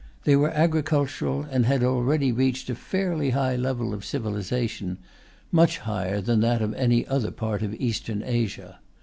They were agricultural, and had already reached a fairly high level of civilization much higher than that of any other part of Eastern Asia.